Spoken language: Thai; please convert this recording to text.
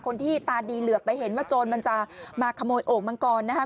คนที่ตานีเหลือบไปเห็นว่าโจรมันจะมาขโมยโอ่งมังกรนะฮะ